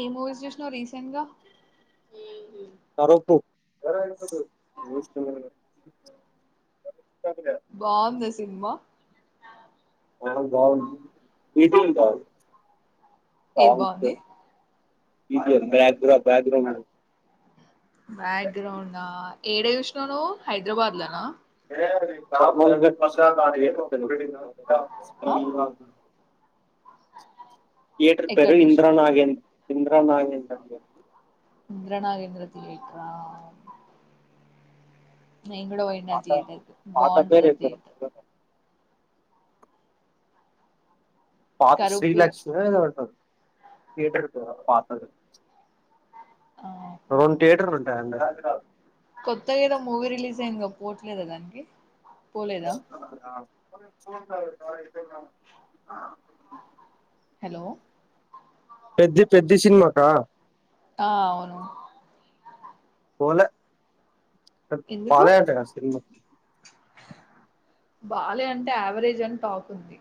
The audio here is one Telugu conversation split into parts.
ఏ మూవీస్ చూసినావ్ రీసెంట్ గా తరుపు బావుందా సినిమా అ బాగుంది ఈటీవీ ఏది బావుంది ఇది బ్యాగ్ బ్యాక్గ్రౌండ్ బ్యాక్గ్రౌండ్ ఏడ చూసినవు నువ్వు హైదరాబాద్ లన ఆ [inaudible] థియేటర్ ఎక్కడ పేరు చూసి ఇంద్ర నాగేంద ఇంద్ర నాగేంద్ర ఇంద్రనాగేంద్ర థియేటర్ ఆ నేను కూడా పోయిండ ఆ పాత తీయేటర్కి పాత పేరు బాగుంటది ఆ ఏదో తీయేటర్ పాత శ్రీ కరుపు లక్స్ ఏదో ఉంటది థియేటర్ పేరు పాతది ఆహా రెండు థియేటర్లు ఉంటాయండి కొత్తగా ఏదో మూవీ రిలీజ్ అయిందిగా పోవట్లేదా దానికి పోలేదా [inaudible] హలో పెద్ది పెద్ది సినిమాకా ఆ అవును పోలే ఎందుకు బాలేదటగా సినిమా బాలే అంటే యావరేజ్ అని టాక్ ఉంది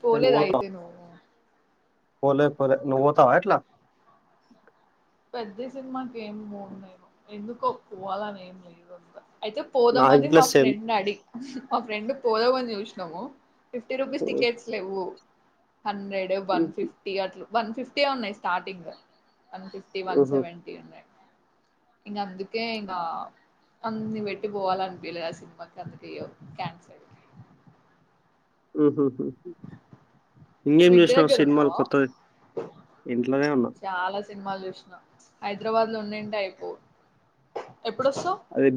పోలేద పోత అయితే నువ్వు పోలే పోలే నువ్వు పోతావా ఎట్లా పెద్ది సినిమాకి ఏంపోను ఎందుకో పోవాలని ఏం లేదుంతా అయితే పోదాం నాకు అని గిట్ల మా సేమ్ ఫ్రెండ్ అడిగి మా ఫ్రెండ్ పోదామని చూసినాము ఫిఫ్టీ రుపీస్ టికెట్స్ లేవు హండ్రెడ్ వన్ ఫిఫ్టీ అట్లు వన్ ఫిఫ్టీ ఉన్నాయి స్టార్టింగ్ వన్ ఫిఫ్టీ వన్ ఉహు సెవెన్ంటీ ఉన్డే ఇంగ అందుకే ఇగా అన్ని వెట్టి పోవాల అనిపిలేదు ఆ సినిమాకి అందుకయ్య కన్సల్ ఉహు మీ ఇంకేం ఇంటి చూసినావు దగ్గర సినిమాలు ఉన్నావా కొత్తది ఇంట్లోనే ఉన్నా చాలా సినిమాలు చూసిన హైదరాబాద్ లో ఉండేంటే అయిపో ఎప్పుడుొస్తావ్ అది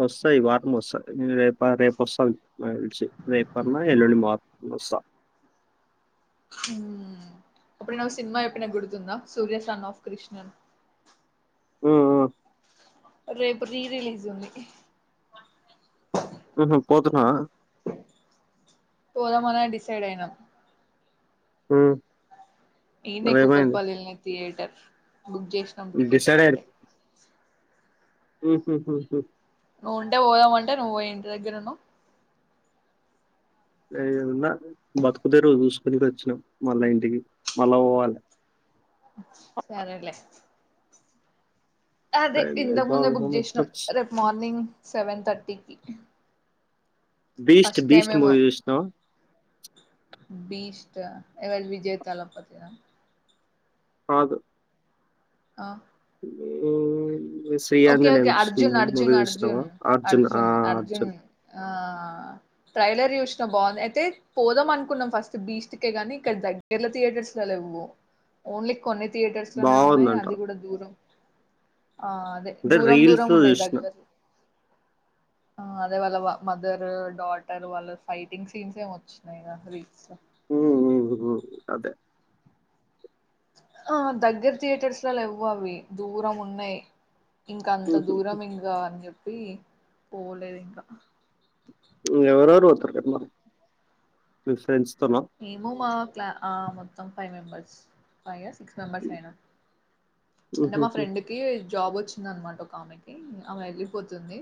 వస్తాయి ఈ వారం వస్తాయి రేపు రేపు వస్తయి రేపు ఎల్లుండి మార్ వంది స ఉమ్ అప్పుడు నా ఒక సినిమా ఎప్పిన గుడుతుందా సూర్యస్ రన్ ఆఫ్ కృష్ణన్ ఉమ్ ఆ రేపు రీ రిలీజ్ ఉంది ఉహు పోతున్నావ పోదామని డిసైడ్ అయినా ఉమ్ ఈనే కూకట్ మరేమైంది పల్లినే థియేటర్ బుక్ చేసినాం టికెట్లు ఇప్పుడే ఉంహు ఉంహు నువ్వు ఉంటే పోదామంటే నువ్వు పోయి ఇంటి దగ్గర ఉన్నావ్ ఏదన్నా బతుకుదెరువుచూసుకొనికి వచ్చినాం మళ్ళా ఇంటికి మళ్ళా పోవాలి సరేలే అదే ఇంతకుముందే బుక్ చేసినాం రేపు మార్నింగ్ సెవెన్ థర్టీకి బీస్ట్ ఫస్ట్ టైం బీస్ట్ ఏమో మూవీ చూసినావా గా ఎవల్ విజేయ్ తలపతిద కాదు ఆ ఊమ్ ఓకే ఓకే అర్జున్ అర్జున్ అర్జున్ అర్జున్ అర్జున్ ఆ ట్రైలర్ చూసినా బాగుంది అయితే పోదాం అనుకున్నాం ఫస్ట్ బెస్ట్కే కానీ ఇక్కడ దగ్గర్లో థియేటర్స్లల్ వ్వు ఓన్లీ కొన్ని థియేటర్స్ లోనే ఉన్నాయి బావుందంట. అది కూడా దూరం ఆ అదే అంటే దూరం దూరం రీల్స్‌లో ఉన్నాయి చూసిన. దగ్గర్ ఆ అదేవల వా మదర్ డాటర్ వాళ్ళ ఫైటింగ్ సీన్స్ ఏమో వచ్చినయి గా రీల్స్ ఉమ్ ఉమ్ ఉమ్ అదే ఆ దగ్గర థియేటర్స్ లో లెవ్వు అవి దూరం ఉన్నాయి్ ఇంక అంత హుహు. దూరం ఇంకా అని చెప్పి పోలేదు ఇంకా ఎవరెవరు పోతున్నారు రెప్ మరి మేము మా క్లా ఆ మొత్తం five members five years six members అయినా అంటే మా హుహుహు. ఫ్రెండ్ కి జాబ్ వచ్చింది అనమాట ఒక ఆమెకి ఆమె వెళ్ళిపోతుంది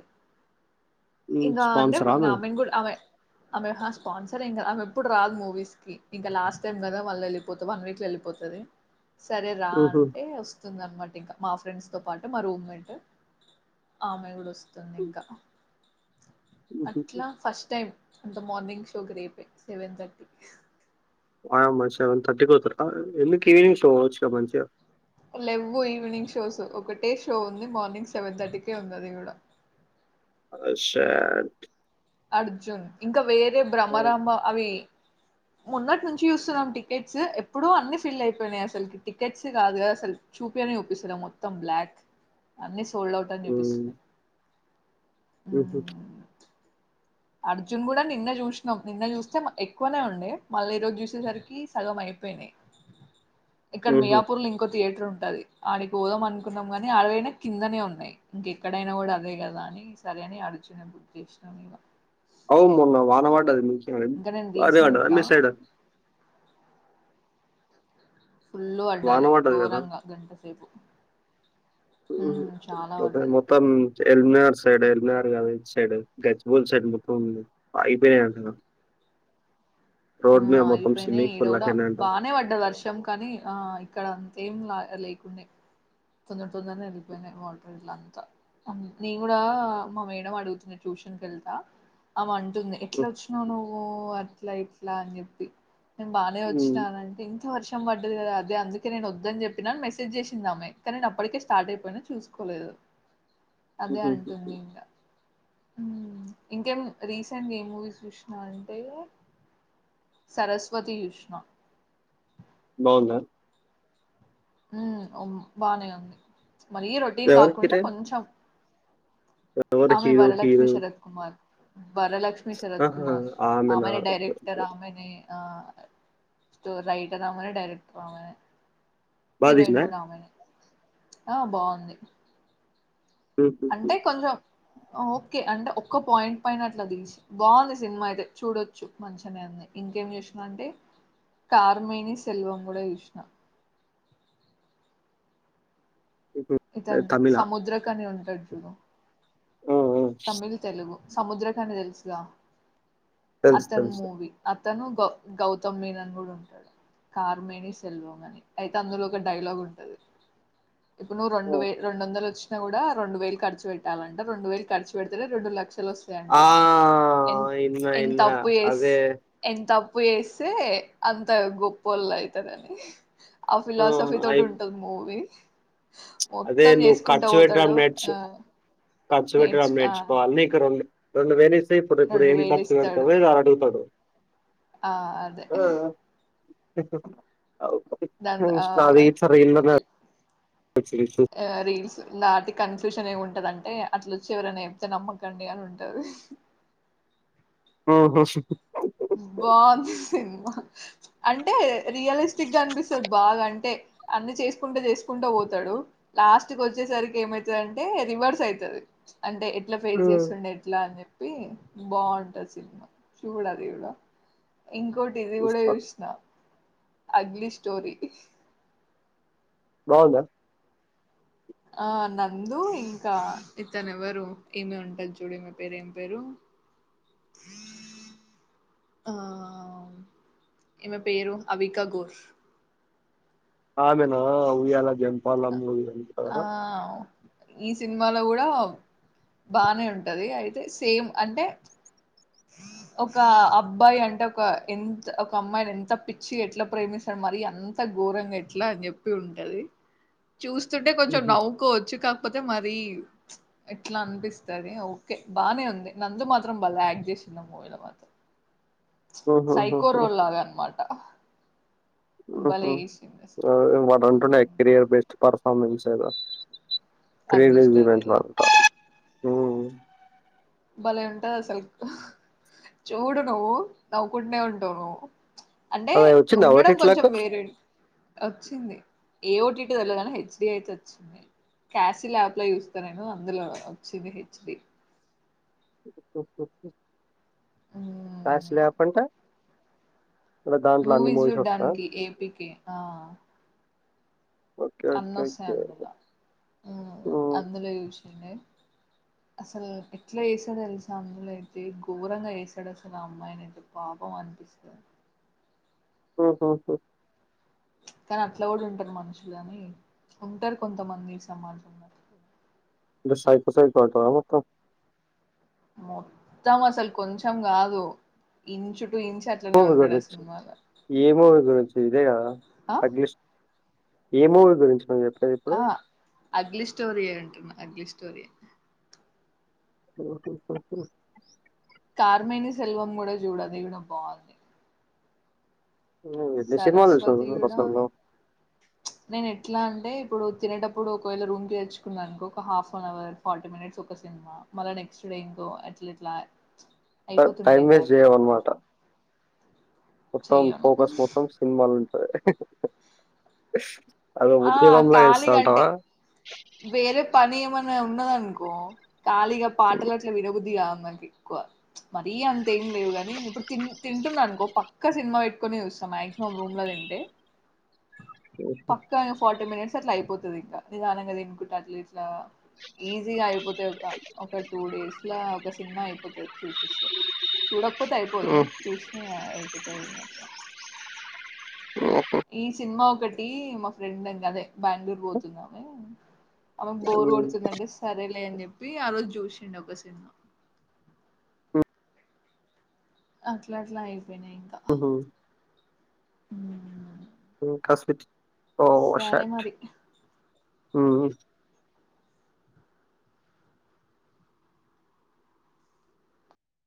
హ్మ్. ఇంకా అంటే స్పాన్సరా నా ఆమె? ఆమెయి కూడా ఆమె ఆమె స్పాన్సర్ ఇంకా ఆమె ఎప్పుడు రాదు మూవీస్ ఇంకా లాస్ట్ టైమ్ కదా వాళ్ళ వెళ్ళిపోతుంది వన్ వీక్ లో వెళ్పోతది సరే రా హుహు. అంటే వస్తుంది అనమాట ఇంకా మా ఫ్రెండ్స్తో పాటు మా రూమ్మేట్ ఆమె కూడా వస్తుంది ఇంకా హుహు. అట్లా ఫస్ట్ టైం అంత మార్నింగ్ షోకి రేపే సెవెన్ థర్టీ ఆమె మా సెవెన్ థర్టీకి పోతారా ఎందుకు ఈవినింగ్స్వచ్చు క మంచిగా లెవ్వు ఈవినింగ్ షోస్ ఒకటే షో ఉంది మార్నింగ్ సెవెన్ థర్టీకే ఉంది అది కూడా ఆ షాట్ అర్జున్ ఇంకా వేరే భ్రమరాంబ అవి మొన్నట్నుంచి చూస్తున్నాం టికెట్స్ ఎప్పుడూ అన్ని ఫిల్ అయిపోయినాయి అసల్కి టికెట్స్ కాదు కదా అసల్ చూపి స్తనే చూపిస్తలేవ్ మొత్తం బ్లాక్ అన్ని హోల్డ్ అవుట్ అని హ్మ్. చూపిస్తున్నాయి హుహు. అర్జున్ కూడా నిన్నే చూసినాం నిన్న చూస్తే ఎక్కువనే ఉండే మళ్ళీ ఈ రోజు చూసేసరికి సగం అయి పోయినాయి ఇక్కడ హుహు. మియాపూర్ ల ఇంకొట్ థియేటర్ ఉంటది ఆడికి పోదాం అనుకున్నాం గానీ ఆడపోయినా కిందనే ఉన్నాయి ఇంకెక్కడైనా కూడా అదే కదా అన్ నీ సరే అని అర్జునే బుక్ చేసినం ఇగ అవున్ మొన్న వానపడ్డదా ఇంకా నేను బానే రీసెంట్ పడ్డదా గా మీ సైడ్ ఫుల్లు వాన పడ్డది కదా! ఘోరంగా గంటసేపు ఉహు చాలా అదే పడ్డది మొత్తం ఎల్బినగర్ సైడ్ ఎల్బినగర్ కాదిట్ సైడ్ గజ్వేల్ సైడ్ మొత్తం ఉంది ఆగిపోయాయి అట కదా [unintelligible] [inaudible] ఆ రోడ్ మీద మొత్తం అగిపోయినయ్ స్విమ్మింగ్ ఈడ పూల్ కూడా లెక్కనే అంట బానే పడ్డది వర్షం కానీ ఆ ఇక్కడ ఏం లా లేకుండే తొందర్ తొందరనే వెళ్ళిపోయినాయి వాటర్ గిట్ల అంతా అమ్ నేన్ కూడా మా మేడం అడుగుతుంది ట్యూషన్ కెళ్తా ఆమ ఉంది ఎట్లోచ్చినవ్ నువ్వు అట్లా ఇట్లా అన్ చెప్పి నేను బానే వొచ్చిన ఉమ్, అనంటే ఇంత వర్షం పడ్డది కదా అదే అందుకే నేనోద్దన్ చెప్పినా అన్ మెసేజ్ చేసిందామె కానీ నేనప్పటికే స్టార్ట్ అయిపోయినా చూసుకోలేదు అదే ఉహుం. అంటుంది ఇంగ ఉ ఇంకేం రీసెంట్గా ఏం మూవీస్ చూసినా అంటే సరస్వతి చూసిన బాగుందా ఉ ఓం బానే ఉంది మరి రొటీన్ ఎవరు కాకుండా హీరోయిన్ కొంచెం ఎవరు ఆమె హీరో వరలక్ష్మి హీరోయిన్ శరత్ కుమార్ వరలక్ష్మి శరత్ ఆహా కుమార్ ఆమెనా ఆమనే ఓకే, డైరెక్టర్ ఓకే. ఆమెనే ఆ స్టొర్ రైటర్ ఆమెనే డైరెక్టర్ ఆమెనే బాగా హీరోయిన్ తీసిందా కూడ ఆమనే ఆ బాగుంది ఉమ్, అంటే ఉమ్, కొంచెం ఓకే అంటే ఒక్క పాయింట్ పైన అట్లా తీస్ బాగుంది సినిమా అయితే చూడొచ్చు మంచిగనే ఉంది ఇంకేం చూసినా అంటే కార్మేని సెల్వం కూడా చూసిన ఉమ్. అది ఇతను తమిళ సముద్ర కనే ఉంటడు చూడు తమిళ్ తెలుగు సముద్రకని తెలుసు గా తెలుసు అతన్ తెలుసు మూవీ అత్ తను గౌ గౌతమ్ మీనన్ కూడా ఉంటడు కార్మేణి సెల్వమ్ అని అయితే అందులో ఒక డైలాగుంటది ఇప్పుడు నువ్వు రెండు ఉమ్. వందలు వచ్చినా కూడా రెండు వేలు ఖర్చు పెట్టాలంట రెండు వేలు ఖర్చు పెడితేనే రెండు లక్షలు వస్తాయంట ఆ మనకి ఎం ఇన్నా ఎంత ఇన్నా అప్పు చేస్ అదే ఎంత అప్ అప్పు చేస్తే అంత గొప్పోళ్ళు అయితరని ఆ ఫిలాసఫీ తోటి ఉంటది మూవీ అదే మొత్తం నువ్వు ఖర్చు చేసుకుంటావోతాడు పెట్టడం నేర్చు ఆ ఖర్చు నేర్చు పెట్టడం ఆ, నేర్చుకోవలే నీకు రోండు వేలు ఇస్తే ఇప్పుడు రెండు ఇప్పుడేవి వేలు ఇస్తాడు ఖర్చుపెడతావ్ అని అడుగుతాడు ఆ అదే చెప్పకు అవ్ దాని ఆ, ఇన్స్టారీల్స్ ఎన్నున్నా ఇట్స్ యుజ్ ఫుల్ నాది కన్ఫ్యూషన్ ఏం ఉంటదంటే అట్లోచ్చి ఎవరన్నా చెప్తే నమ్మకండి అని ఉంటది [unintelligible] ఉహు బాగుంది సినిమా అంటే రియలిస్టిక్ గా అనిపిస్తద్ బాగా అంటే అన్ని చేసుకుంటే చేసుకుంటా పోతాడు లాస్ట్ క వచ్చేసరికి ఏమైతుది అంటే రివర్స్ అయితుది అంటే ఎట్లా ఫేస్ హ్మ్ చేసుకోండే ఎట్లా అని చెప్పి బాగుంటది సినిమా చూడల ఇంకోటి ఇది కూడా కూడా చూస్తా చుసిన అగ్లీ స్టోరీ బాగుందా ఆ నందు ఇంకా ఇతను ఎవరు ఏమి ఉంటది చూడు ఇమే పేరు ఏం పేరు ఉ ఆ ఇమె పేరు అవికా గోర్ ఆమెనా ఉయ్యాల జంపాల మూవీ లో ఉంటది ఆ కదా ఈ సినిమాలో కూడా బానే ఉంటది అయితే సేమ్ అంటే ఉ ఒక అబ్బాయి అంటే ఒక ఎంత ఒక అమ్మాయిని ఎంత పిచ్చి ఎట్లా ప్రేమిస్తాడు మరి అంత ఘోరంగా ఎట్లా అని చెప్పి ఉంటది చూస్తుంటే కొంచెం నవ్వుకోవచ్చు కాపో కాకపోతే మరి ఎట్లా అనిపిస్తుంది ఓకే బాగానే ఉంది నందు మాత్రం బలే యాక్టింగ్ చేసిండు ఈ మూవీ మాత్రం సైకో రోల్ గా అనమాట ఉ భలే హు చేసింది అసలు వాడుంటుండే కెరియర్ బెస్ట్ పర్ఫార్మెన్స్ ఏదో త్రీట్ అగ్లీ స్టోరీ ఈవెంట్ల ఆ భలే ఉంటది అసలు చూడు నువ్వు నవ్వుకుంటనే ఉంటావు నువ్వు అంటే అది వచ్చిందా ఉండడం కొంచెం ఓటీటీలకు వేరే వచ్చింది ఏఓటీటి తెలియదు గాని హెచ్డి అయితే వచ్చింది క్యాసిల్ యాప్ లో చూస్తా నేను అందులో వచ్చింది హెచ్డి ఉ హు ఉ క్లాసులో పంటా మూవీస్ చూడ్డానికి ఏపీకి ఆ ఓకే. అన్ని ఓకే. వస్తాయి ఓకే. అనుకుంటా హ్మ్. అందులో చూసిందే అసలు నీ ఎట్లా చేసాడు తెలుసా అందులోయితే ఘోరంగా చేసాడు అసలు ఆ అమ్మాయిని అయితే పాపం అనిపిస్తా హ కానీ అట్లా కూడా ఉంటారు మనుషులుఅని ఉంటారు కొంతమంది సమాజంలా సైకో సైకో అంటారా మొత్తం మొత్తం అసలు కొంచెం కాదు ఇంచు టు ఇంచు అట్లనే ఉంటాడు గదా ఆ సినిమాలో ఏమో గురించి ఇదే గదా ఆ అగలిష్ ఏమో ఇ గురించి మని చెప్పి ఆ అగ్లీ స్టోరీయే అంటున్నా అగ్లి స్టోరీ ఓ కార్మేని సెల్వం కూడా చూడు అదీ కూడా బాగుంది హ్మ్. ఎన్ని సినిమాలు చూసినవు సరస్వతయుడా అసలు నువ్వు? నేను ఎట్లా అంటే ఇప్పుడు తినేటప్పుడు ఒకవేళ రూమ్కి తెచ్చుకున్నానుకో ఒక half an hour forty minutes ఒక సినిమా మళ నెక్స్ట్ బేంగో అట్లా ఇట్లా ట టైమ్ అయిపోతుంటాయి వేస్ట్ గ్యాప్ చేయవన్నమాట. మొత్తం చెయ్యను ఫోకస్ మొత్తం సినిమాలు ఉంటాయి అదో ఆ ఉద్యమంలా ఎస్తా ఖాళీగా అంటే ఉంటావా వేరే పని ఏమన్నా ఉన్నది అనుకో ఖాళీగా హ్మ్. పాటలు అట్ల వినబుద్ధి కాదు మనకి ఎక్కువ మరీ అంతేం లేవు గాని ఇప్పుడు తిం తింటున్నానుకో పక్క సినిమా పెట్టుకోని చూస్తు దా మాక్సిమం రూమ్ లో తింటే పక్కా ఇ ఫార్టీ మినిట్స్ అట్లా అయిపోతది ఇంకా నిదానంగా అనుకుంట అట్లా ఇట్లా ఈజీగా అయిపోతాయి ఒక ఒక టూ డేస్ లా ఒక సినిమా అయిపోతాది చూసిస్తే చూడకపోతే అయిపోదు హ్మ్. చూస్తే అయిపోతది ఇంగా ఈ సినిమా ఒకటి మా ఫ్రెండ్ం కదే బెంగళూరు పోతున్నాను ఆమెకు బోరు హ్మ్. కొడుతుందింటే సరేలే అని చెప్పి ఆ రోజు చూసుండు ఒక సినిమా అట్లా అట్లా అయిపోయినాయి ఇంకా హుహు. హ్మ్మ్ ఇంకా స్మిత్ ఓషట్ మరి హ్మ్మ్